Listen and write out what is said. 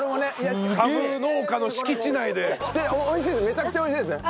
めちゃくちゃ美味しいですよ！